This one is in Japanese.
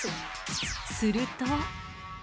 すると。